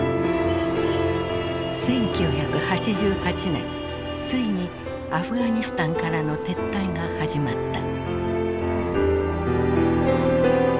１９８８年ついにアフガニスタンからの撤退が始まった。